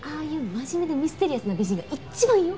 真面目でミステリアスな美人が一番よ。